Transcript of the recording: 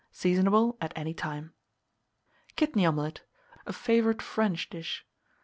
Seasonable at any time. KIDNEY OMELET (A favourite French dish.)